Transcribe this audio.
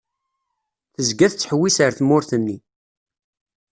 Tezga tettḥewwis ar tmurt-nni.